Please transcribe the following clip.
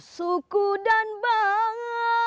suku dan bangga